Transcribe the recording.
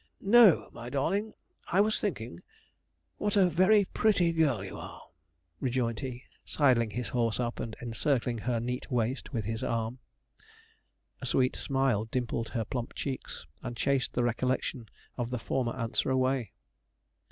'No, my darling; I was thinking what a very pretty girl you are,' rejoined he, sidling his horse up, and encircling her neat waist with his arm. A sweet smile dimpled her plump cheeks, and chased the recollection of the former answer away.